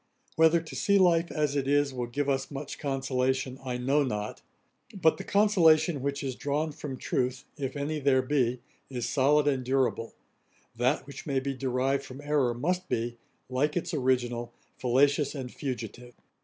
Whether to see life as it is, will give us much consolation, I know not; but the consolation which is drawn from truth, if any there be, is solid and durable; that which may be derived from errour must be, like its original, fallacious and fugitive.